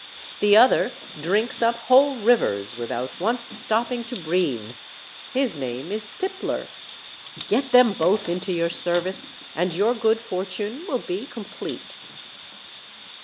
The other drinks up whole rivers without once stopping to breathe; his name is Tippler; get them both into your service and your good fortune will be complete."